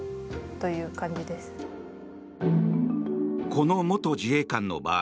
この元自衛官の場合